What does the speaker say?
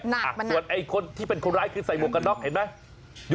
ส่วนคนที่เป็นคนร้ายคือใส่โหมกกันน็อคเห็นมั้ย